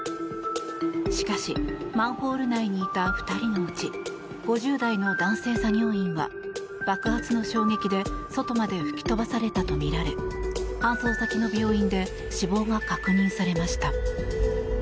しかしマンホール内にいた２人のうち５０代の男性作業員は爆発の衝撃で外まで吹き飛ばされたとみられ搬送先の病院で死亡が確認されました。